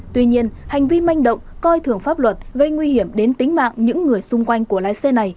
tuy nhiên hành vi manh động coi thường pháp luật gây nguy hiểm đến tính mạng những người xung quanh của lái xe này